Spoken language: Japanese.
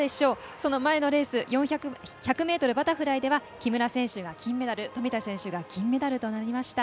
その前のレース１００ｍバタフライでは木村選手が金メダル富田選手が銀メダルとなりました。